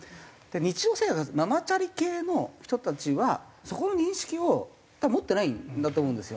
日常生活ママチャリ系の人たちはそこの認識を多分持ってないんだと思うんですよ。